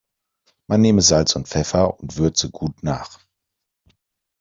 Man nehme Salz und Pfeffer und würze gut nach.